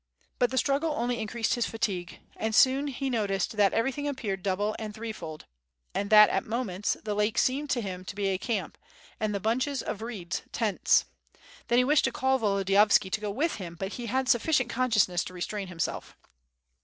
But the struggle only increased his fatigue, and soon he noticed that everything appeared double and threefold, and that at moments the lake seemed to him to be a camp and the bunches of reeds, tents. Then he wished to call Volodiyovski to go with him, but he had sufficient consciousness to restrain himself.